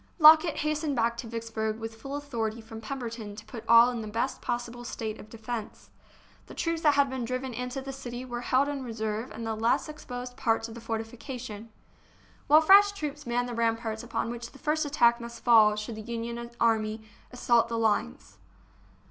Lockett hastened back to Vicksburg with full authority from Pemberton to put all in the best possible state of defence. The troops that had been driven into the city were held in reserve in the less exposed parts of the fortifica tion, while fresh troops manned the ramparts upon which the first attack must fall should the Union army assault the lines.